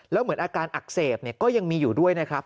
แล้วเหมือนอาการอักเสบก็ยังมีอยู่ด้วยนะครับ